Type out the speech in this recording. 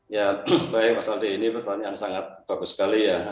ya baik mas aldi ini pertanyaan sangat bagus sekali ya